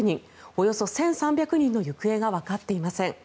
およそ１３００人の行方がわかっていません。